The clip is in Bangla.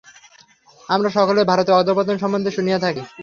আমরা সকলেই ভারতের অধঃপতন সম্বন্ধে শুনিয়া থাকি।